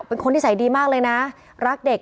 เป็นคนที่ใส่ดีมากเลยนะรักเด็ก